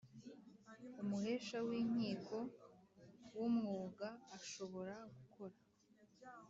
Umuhesha w inkiko w umwuga ashobora gukora